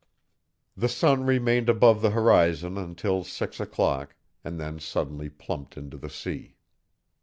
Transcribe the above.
The sun remained above the horizon until six o'clock, and then suddenly plumped into the sea.